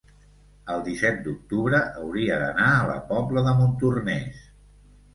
el disset d'octubre hauria d'anar a la Pobla de Montornès.